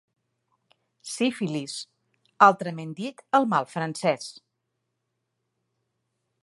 Sífilis, altrament dit el mal francès.